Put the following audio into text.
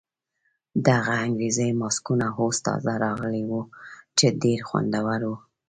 دغه انګریزي ماسکونه اوس تازه راغلي ول چې ډېر خوندور وو.